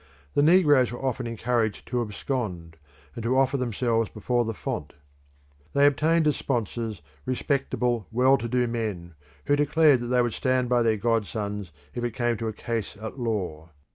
The negroes were often encouraged to abscond, and to offer themselves before the font. They obtained as sponsors respectable well to do men, who declared that they would stand by their god sons if it came to a case at law.